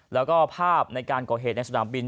แล้วก็ภาพในการก่อเหตุในสนามบิน